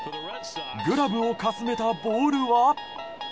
グラブをかすめたボールは。